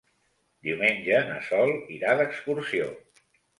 Diumenge na Sol irà d'excursió.